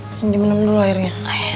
inkan gue minum dulu airnya